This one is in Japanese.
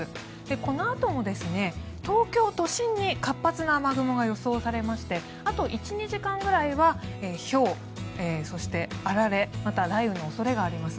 このあとも東京都心に活発な雨雲が予想されましてあと１２時間ぐらいはひょう、そしてあられまた雷雨の恐れがあります。